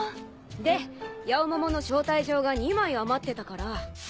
でヤオモモの招待状が２枚余ってたから。